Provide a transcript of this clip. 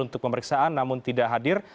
untuk pemeriksaan namun tidak hadir